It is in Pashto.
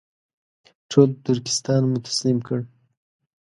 ټول ترکستان مو تسلیم کړ.